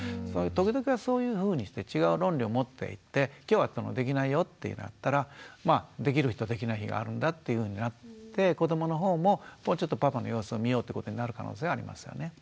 時々はそういうふうにして違う論理を持っていて今日はできないよっていうのがあったらできる日とできない日があるんだっていうふうになって子どもの方もちょっとパパの様子を見ようってことになる可能性はありますよね。